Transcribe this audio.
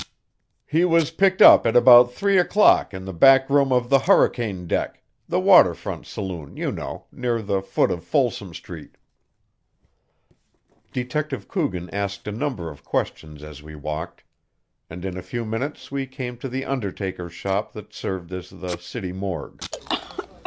"He was picked up at about three o'clock in the back room of the Hurricane Deck the water front saloon, you know near the foot of Folsom Street." Detective Coogan asked a number of questions as we walked, and in a few minutes we came to the undertaker's shop that served as the city morgue.